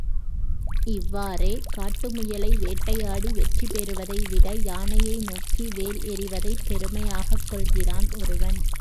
இவ்வாறே காட்டு முயலை வேட்டையாடி வெற்றி பெறுவதைவிட யானையை நோக்கி வேல் எறிவதைப் பெருமையாகக் கொள்கிறான் ஒருவன்.